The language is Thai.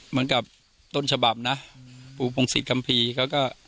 เหมือนกับต้นฉบับนะปูพงศิษยคัมภีร์เขาก็